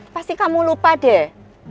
pasti kamu lupa deh